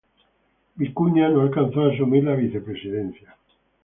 Vicuña no alcanzó a asumir la vicepresidencia.